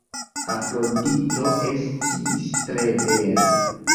Afrodito estis tre bela.